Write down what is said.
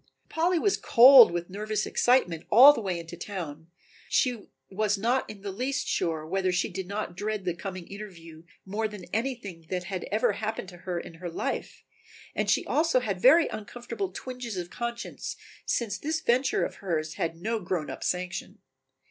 Polly was cold with nervous excitement all the way into town. She was not in the least sure whether she did not dread the coming interview more than anything that had ever happened to her in her life and she also had very uncomfortable twinges of conscience, since this venture of hers had no grown up sanction.